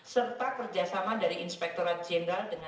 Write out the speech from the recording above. serta kerjasama dari inspektorat jenderal